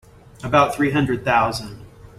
About three hundred thousand.